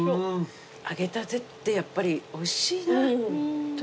揚げたてってやっぱりおいしいな。